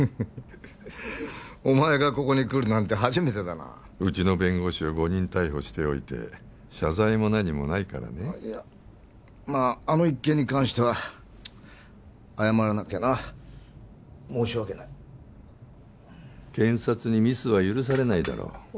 お前がここに来るなんて初めてだなうちの弁護士を誤認逮捕しておいて謝罪も何もないからねまああの一件に関しては謝らなきゃな申し訳ない検察にミスは許されないだろう